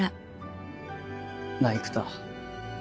なぁ生田。